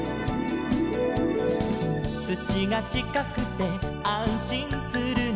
「土がちかくてあんしんするの」